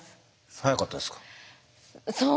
早かったですか？